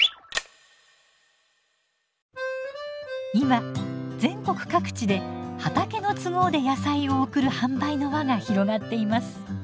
今全国各地で畑の都合で野菜を送る販売の輪が広がっています。